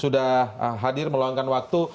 sudah hadir meluangkan waktu